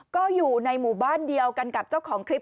ก็อยู่ในหมู่บ้านเดียวกันกับเจ้าของคลิป